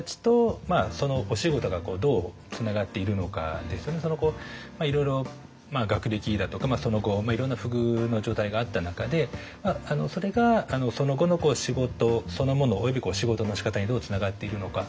やっぱり何て言うんでしょうかねいろいろ学歴だとかその後いろんな不遇の状態があった中でそれがその後の仕事そのものおよび仕事のしかたにどうつながっていくのか。